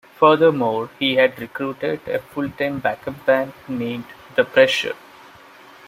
Furthermore, he had recruited a full-time backup band, named The Pressure.